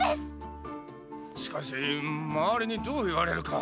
しかし周りにどう言われるか。